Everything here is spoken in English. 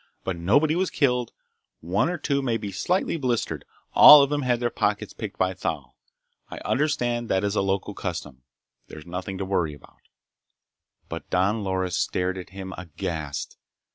But nobody was killed. One or two may be slightly blistered. All of them had their pockets picked by Thal. I understand that is a local custom. There's nothing to worry about." But Don Loris stared at him, aghast.